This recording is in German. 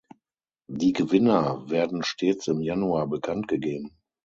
Die Gewinner werden stets im Januar bekannt gegeben.